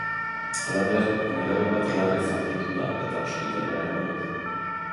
Halaber, nerabe bat larri zauritu da eta ospitalera eraman dute.